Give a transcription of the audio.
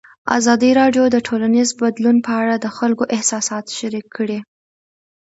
ازادي راډیو د ټولنیز بدلون په اړه د خلکو احساسات شریک کړي.